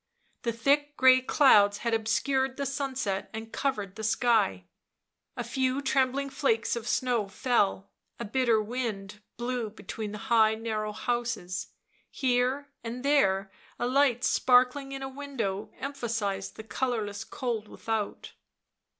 The thick grey clouds had obscured the sunset and covered the sky; a few trembling flakes of snow fell, a bitter wind blew between the high narrow houses ; here and there a light sparkling in a window emphasized the colourless cold without.